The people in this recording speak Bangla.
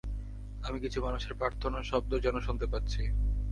আমি কিছু মানুষের প্রার্থনার শব্দও যেন শুনতে পাচ্ছি!